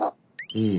うん。